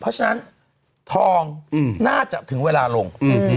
เพราะฉะนั้นทองน่าจะถึงเวลาลง